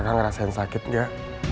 kakak ngerasain sakit gak